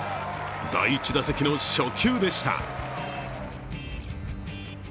第１打席の初球でした。